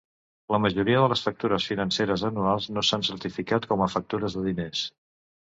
La majoria de les factures financeres anuals no s'han certificat com a factures de diners.